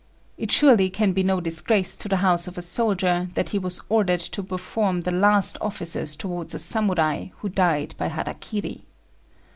It surely can be no disgrace to the house of a soldier that he was ordered to perform the last offices towards a Samurai who died by hara kiri.